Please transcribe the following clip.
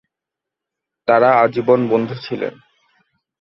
তারা আজীবন বন্ধু ছিলেন।